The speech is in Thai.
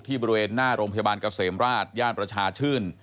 บริเวณหน้าโรงพยาบาลเกษมราชย่านประชาชื่น